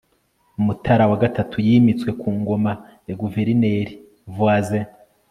mutara iii yimitswe ku ngoma ya guverineri voisin